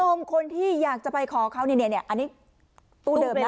สมมุติคนที่อยากจะไปขอเขาเนี่ยเนี่ยอันนี้ตู้เดิมนะ